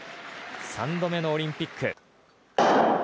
３度目のオリンピック。